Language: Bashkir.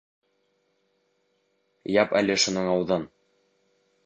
Яп әле шуның ауыҙын!